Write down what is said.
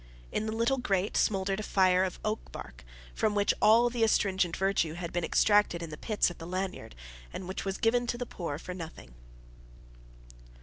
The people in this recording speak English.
In the little grate smouldered a fire of oak bark, from which all the astringent virtue had been extracted in the pits at the lanyard, and which was given to the poor for nothing.